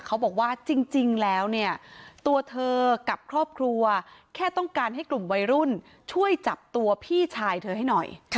เขาบอกว่าจริงแล้วเนี่ยตัวเธอกับครอบครัวแค่ต้องการให้กลุ่มวัยรุ่นช่วยจับตัวพี่ชายเธอให้หน่อย